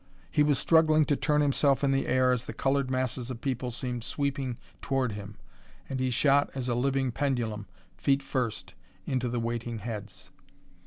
He was struggling to turn himself in the air as the colored masses of people seemed sweeping toward him, and he shot as a living pendulum, feet first, into the waiting heads.